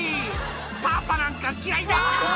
パパなんか嫌いだ。